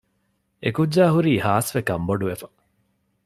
އެކުއްޖާހުރީ ހާސްވެ ކަންބޮޑުވެފަ